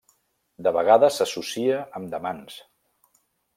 De vegades s'associa amb damans.